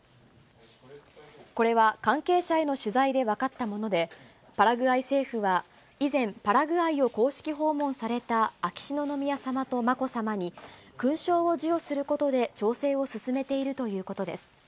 これは関係者への取材で分かったもので、パラグアイ政府は以前、パラグアイを公式訪問された秋篠宮さまとまこさまに、勲章を授与することで調整を進めているということです。